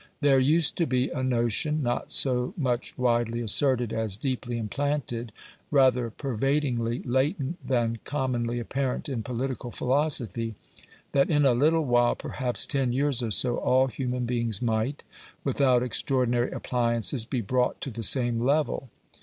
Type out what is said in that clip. There used to be a notion not so much widely asserted as deeply implanted, rather pervadingly latent than commonly apparent in political philosophy that in a little while, perhaps ten years or so, all human beings might, without extraordinary appliances, be brought to the same level.